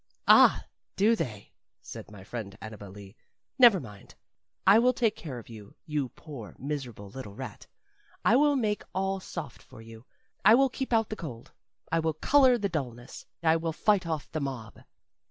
"Ah, do they!" said my friend Annabel Lee. "Never mind I will take care of you, you poor, miserable, little rat; I will make all soft for you; I will keep out the cold; I will color the dullness; I will fight off the mob."